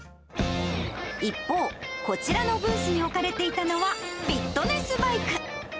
一方、こちらのブースに置かれていたのは、フィットネスバイク。